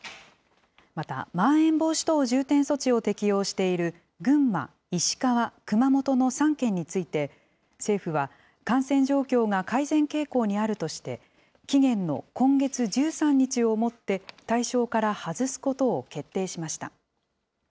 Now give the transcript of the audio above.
また、まん延防止等重点措置を適用している群馬、石川、熊本の３県について、政府は感染状況が改善傾向にあるとして、期限の今月１３日をもって対象から外すことを決定しました。